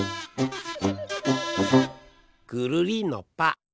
くるりんのぱ！